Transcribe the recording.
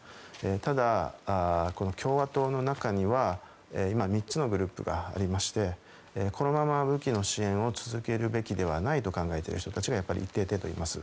ただ、共和党の中には今、３つのグループがありましてこのまま武器の支援を続けるべきではないと考えている人たちが一定程度います。